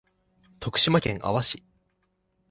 徳島県阿波市